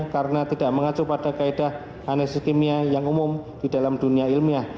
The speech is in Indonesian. karena tidak mengacu pada kaedah analisis kimia yang umum di dalam dunia ilmiah